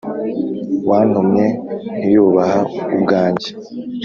wantumye ntiyubaha ubwanjye.